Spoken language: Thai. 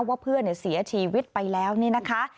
ว่าเพื่อนเสียชีวิตไปแล้วนี่นะคะ